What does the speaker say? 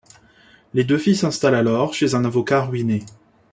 Les deux filles s'installent alors chez un avocat ruiné...